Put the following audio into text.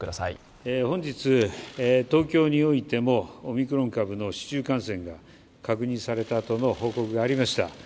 本日、東京においてもオミクロン株の市中感染が確認されたとの報告がありました。